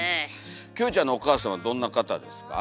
キョエちゃんのお母さんはどんな方ですか？